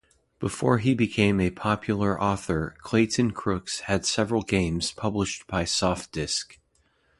Before he became a popular author Clayton Crooks had several games published by Softdisk.